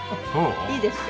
いいですか？